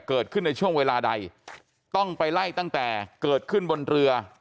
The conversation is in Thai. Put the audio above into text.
ในช่วงเวลาใดต้องไปไล่ตั้งแต่เกิดขึ้นบนเรือ